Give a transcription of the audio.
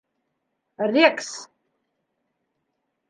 «Рекс!»